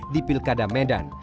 di pilkada medan